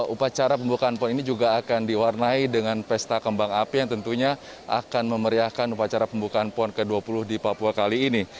upacara pembukaan pon ini juga akan diwarnai dengan pesta kembang api yang tentunya akan memeriahkan upacara pembukaan pon ke dua puluh di papua kali ini